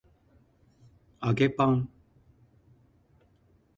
揚げパン